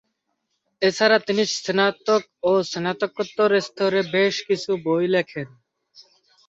এছাড়া তিনি স্নাতক ও স্নাতকোত্তর স্তরের বেশ কিছু বই লেখেন।